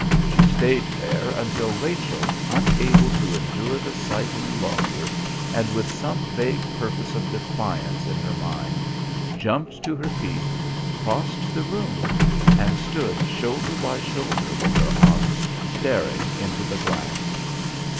She stayed there until Rachel, unable to endure the sight any longer, and with some vague purpose of defiance in her mind, jumped to her feet, crossed the room and stood shoulder by shoulder with her aunt staring into the glass.